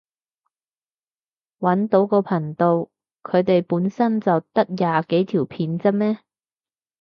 搵到個頻道，佢哋本身就得廿幾條片咋咩？